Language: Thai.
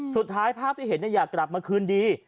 สุดท้ายภาพที่เห็นจะอยากกลับมาคืนดี